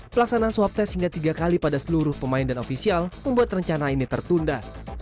pelaksanaan swab test hingga tiga kali pada seluruh pemain dan ofisial membuat rencana ini tertunda